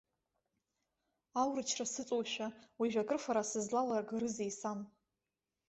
Аурычра сыҵоушәа, уажәы акрыфара сызлалагарызеи, сан.